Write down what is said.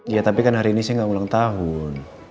ya tapi kan hari ini sih gak ulang tahun